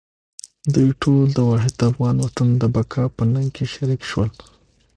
دوی ټول د واحد افغان وطن د بقا په ننګ کې شریک شول.